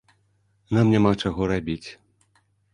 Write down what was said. Нам няма чаго рабіць.